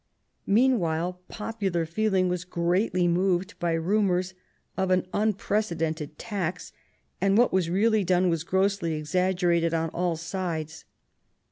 Meanwhile popular feeling was greatly moved by rumours of an unprecedented tax, and what was really done was grossly exaggerated on all sides.